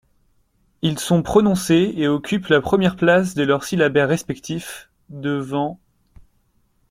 Ils sont prononcés et occupent la première place de leur syllabaire respectif, devant い.